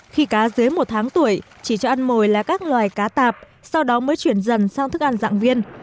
khi cá dưới một tháng tuổi chỉ cho ăn mồi là các loài cá tạp sau đó mới chuyển dần sang thức ăn dạng viên